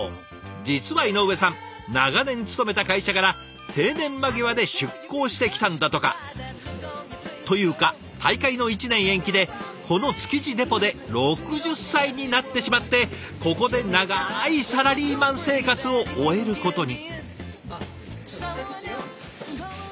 実は井上さん長年勤めた会社から定年間際で出向してきたんだとか。というか大会の１年延期でこの築地デポで６０歳になってしまってここで長いサラリーマン生活を終えることに。